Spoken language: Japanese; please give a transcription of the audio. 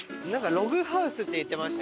「ログハウス」って言ってた。